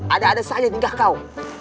ada ada saja tingkah kau